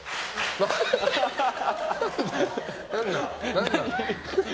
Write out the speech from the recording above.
何なの？